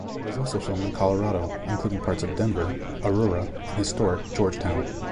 It was also filmed in Colorado, including parts of Denver, Aurora and historic Georgetown.